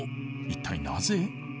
一体なぜ？